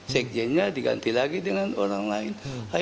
sekjennya diganti lagi dengan orang lain